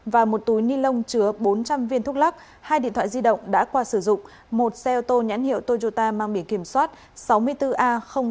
và một túi ni lông chứa bốn trăm linh viên thuốc lắc hai điện thoại di động đã qua sử dụng một xe ô tô nhãn hiệu toyota mang biển kiểm soát sáu mươi bốn a tám nghìn một trăm sáu mươi tám